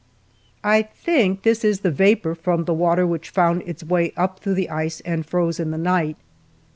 ... I think this is the vapor from the water which found its way up through the ice, and froze in the night.